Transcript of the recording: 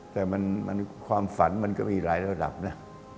แต่ความฝันมันก็มีหลายระดับนะ